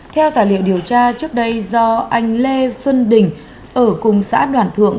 theo tài liệu điều tra trước đây do anh lê xuân đình ở cùng xã đoàn thượng